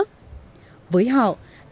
với họ đây là một công việc khó khăn